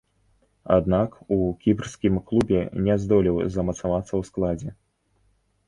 Аднак, у кіпрскім клубе не здолеў замацавацца ў складзе.